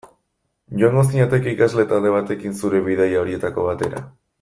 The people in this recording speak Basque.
Joango zinateke ikasle talde batekin zure bidaia horietako batera?